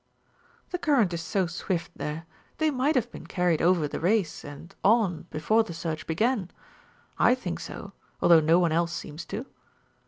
"The current is so swift there, they might have been carried over the race, and on, before the search began. I think so, although no one else seems to."